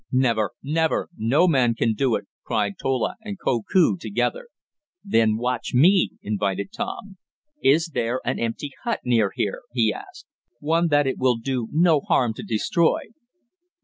"Never! Never! No man can do it!" cried Tola and Koku together. "Then watch me!" invited Tom. "Is there an empty hut near here?" he asked. "One that it will do no harm to destroy?"